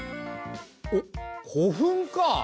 おっ古墳か。